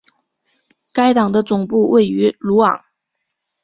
该党的总部位于鲁昂。